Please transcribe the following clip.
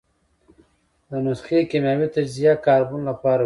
د نسخې کیمیاوي تجزیه کاربن له پاره وشي.